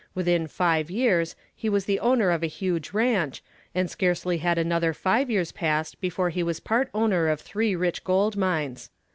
Within five years he was the owner of a huge ranch, and scarcely had another five years passed before he was part owner of three rich gold mines.